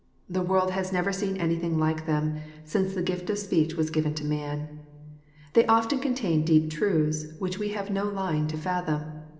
The world has never seen anything like them, since the gifk of speech was given to man. They often contain deep truths, which we have no line to fathom.